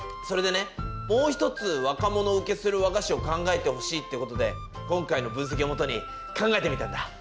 それでねもう一つ若者受けする和菓子を考えてほしいっていうことで今回の分析をもとに考えてみたんだ。